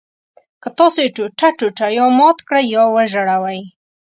که تاسو یې ټوټه ټوټه یا مات کړئ یا وژوئ.